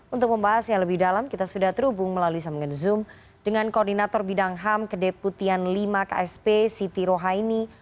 untuk membahas yang lebih dalam kita sudah terhubung melalui sambungan zoom dengan koordinator bidang ham kedeputian lima ksp siti rohaini